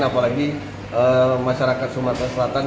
apalagi masyarakat sumatera selatan